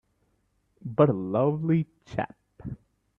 But a lovely chap!